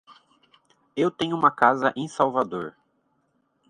Eu tenho uma casa em Salvador.